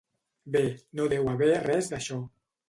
Bé, no deu haver res d'això.